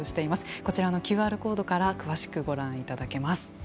こちらのＱＲコードから詳しくご覧いただけます。